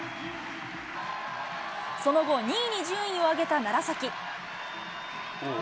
その後、２位に順位を上げた楢崎。